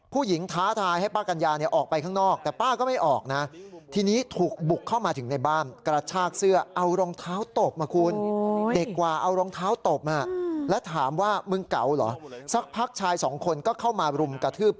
แพทย์ถามว่ามึงเกาหรอสักพักชายสองคนก็เข้ามารุมกระทืบ